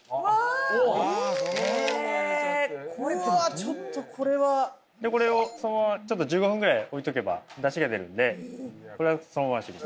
ちょっとこれはこれをそのままちょっと１５分ぐらい置いとけばダシが出るんでこれはそのままにしときます